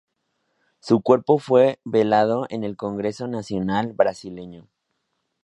Su cuerpo fue velado en el Congreso Nacional brasileño.